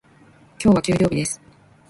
今日は給料日です。